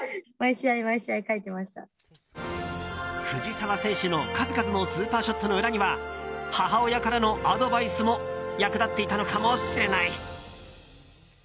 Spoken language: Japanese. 藤澤選手の数々のスーパーショットの裏には母親からのアドバイスも役立っていたのかもしれない。